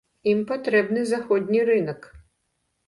Ім патрэбны заходні рынак.